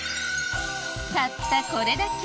たったこれだけ！